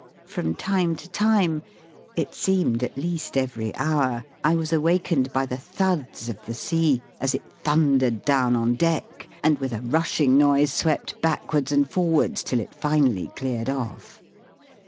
From time to time — ^it seemed at least every hour — I was awakened by the thuds of the sea as it thundered down on deck and with a rushing noise swept back wards and forwards till it finally cleared off.